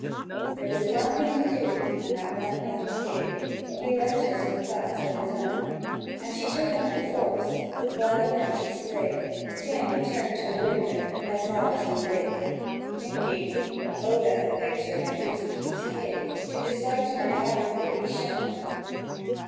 There was one thing to do, and that one thing he did, He lent her some clouts of his own, And she took 'em perforce; and while in 'em she slid, Tim turned to the winder, as modesty bid, Thinking, "O that the picter my duty keeps hid To the sight o' my eyes mid be shown!"